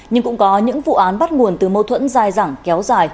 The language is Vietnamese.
nhưng cũng có những vụ án bắt nguồn từ mâu thuẫn dai dẳng kéo dài